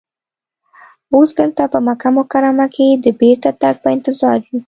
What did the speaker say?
اوس دلته په مکه مکرمه کې د بېرته تګ په انتظار یو.